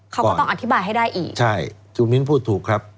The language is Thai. เขาก็ต้องอธิบายให้ได้อีกพศถูกนิดนึงครับ